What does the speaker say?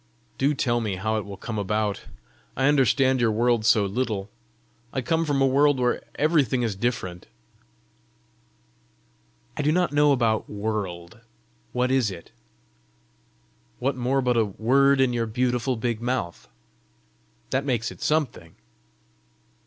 "Do tell me how it will come about. I understand your world so little! I come from a world where everything is different." "I do not know about WORLD. What is it? What more but a word in your beautiful big mouth? That makes it something!"